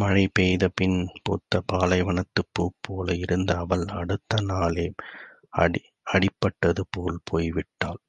மழை பெய்தபின் பூத்த பாலைவனத்துப் பூப்போல் இருந்த அவள் அடுத்த நாளே அடிபட்டதுபோல் போய்விட்டாள்.